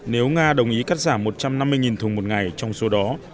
nếu nga đồng ý cắt giảm một trăm năm mươi thùng một ngày trong số đó